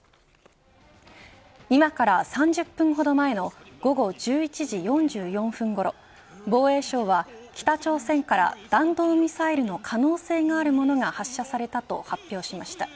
今から３０分ほど前の午後１１時４４分ごろ防衛省は北朝鮮から弾道ミサイルの可能性があるものが発射されたと発表しました。